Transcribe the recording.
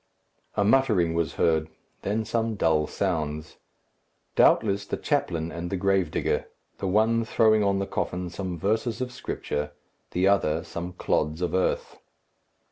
A muttering was heard; then some dull sounds. Doubtless the chaplain and the gravedigger the one throwing on the coffin some verses of Scripture, the other some clods of earth.